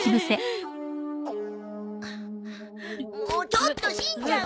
ちょっとしんちゃん！